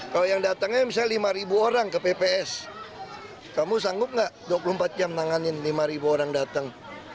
kalau yang datangnya misalnya lima orang ke pps kamu sanggup nggak dua puluh empat jam tanganin lima orang datang